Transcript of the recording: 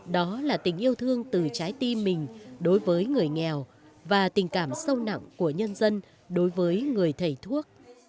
đó là tình yêu thương từ trái tim mình đối với người nghèo và tình cảm sâu nặng của nhân dân đối với người thầy thuốc